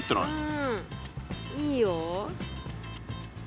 うんいいよ。